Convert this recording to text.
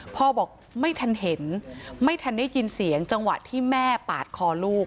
บอกไม่ทันเห็นไม่ทันได้ยินเสียงจังหวะที่แม่ปาดคอลูก